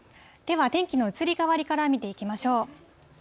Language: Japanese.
では天気の移り変わりから見ていきましょう。